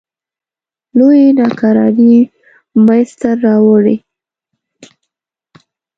لویې ناکرارۍ منځته راوړې.